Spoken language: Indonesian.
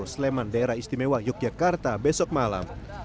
sleman daerah istimewa yogyakarta besok malam